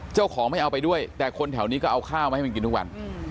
เจ้าของไม่เอาไปด้วยแต่คนแถวนี้ก็เอาข้าวมาให้มันกินทุกวัน